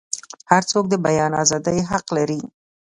هرڅوک د بیان ازادۍ حق لري.